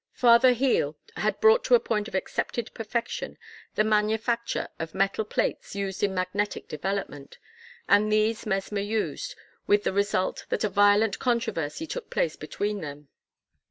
Father Hehl had brought to a point of accepted perfection the manufacture of metal plates used in magnetic development, and these Mesmer used, with the result that a violent controversy took place between them.